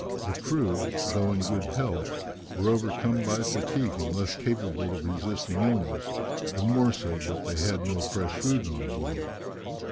The crew, though in good health, were overcome by fatigue, and less capable of resisting illness, the more so that they had no fresh food on board.